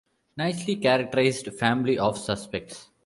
Nicely characterised family of suspects.